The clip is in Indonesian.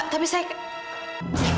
sudara tak bisa kar candy verg tangan omong